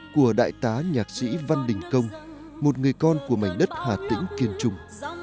của đại tá nhạc sĩ văn đình công một người con của mảnh đất hà tĩnh kiên trung